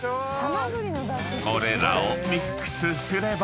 ［これらをミックスすれば］